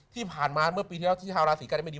ที่ผ่านมาเมื่อปีที่แล้วที่ชาวราศีกันได้ไม่ดี